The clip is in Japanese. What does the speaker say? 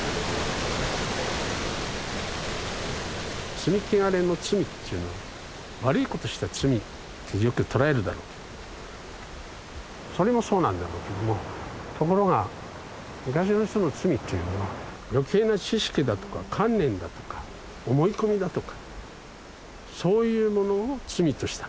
罪穢れの罪っていうのは悪いことした罪ってよく捉えるだろうけどそれもそうなんだろうけどもところが昔の人の罪というのは余計な知識だとか観念だとか思い込みだとかそういうものを罪としたの。